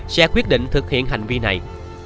sẽ quyết định thực hiện hành vi này